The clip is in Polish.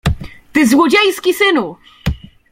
Ty złodziejski synu!